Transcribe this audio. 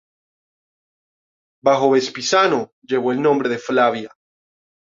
Bajo Vespasiano llevó el nombre de Flavia.